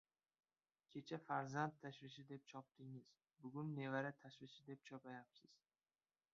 — Kecha farzand tashvishi deb chopdingiz, bugun nevara tashvishi deb chopyapsiz.